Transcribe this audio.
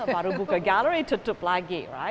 baru buka galeri tutup lagi